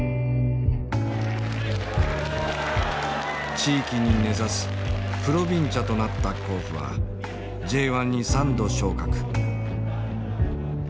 地域に根ざすプロヴィンチャとなった甲府はＪ１に３度昇格。